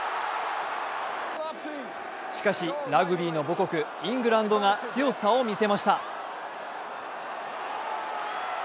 しかしラグビーの母国・イングランドが強さを見せました。